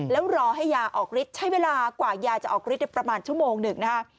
แล้วรอให้ยาออกฤทธิ์ใช้เวลากว่ายาจะออกฤทธิได้ประมาณชั่วโมงหนึ่งนะคะ